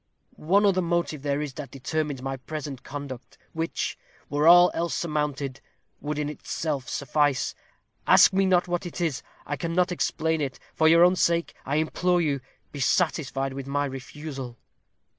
One other motive there is that determines my present conduct, which, were all else surmounted, would in itself suffice. Ask me not what that is. I cannot explain it. For your own sake; I implore you, be satisfied with my refusal."